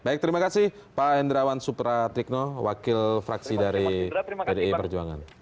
baik terima kasih pak hendrawan supratikno wakil fraksi dari pdi perjuangan